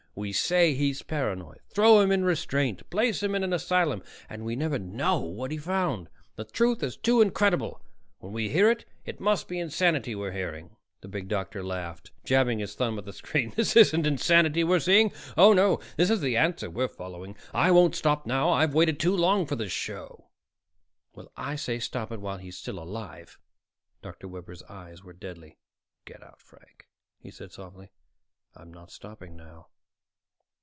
We say he's paranoid, throw him in restraint, place him in an asylum; and we never know what he found. The truth is too incredible; when we hear it, it must be insanity we're hearing." The big doctor laughed, jabbing his thumb at the screen. "This isn't insanity we're seeing. Oh, no, this is the answer we're following. I won't stop now. I've waited too long for this show." "Well, I say stop it while he's still alive." Dr. Webber's eyes were deadly. "Get out, Frank," he said softly. "I'm not stopping now."